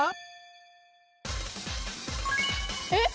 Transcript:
えっ？